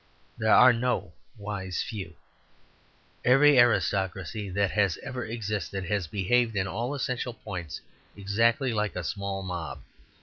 There are no wise few. Every aristocracy that has ever existed has behaved, in all essential points, exactly like a small mob.